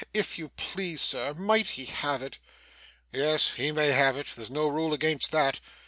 'If you please, Sir, might he have it?' 'Yes, he may have it. There's no rule against that.